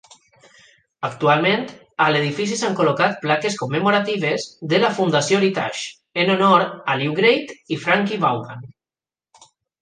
Actualment, a l'edifici s'han col·locat plaques commemoratives de la Fundació Heritage en honor a Lew Grade i Frankie Vaughan.